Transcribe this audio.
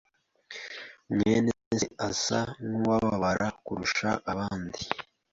mwene se asa nkuwababara kurusha abandi.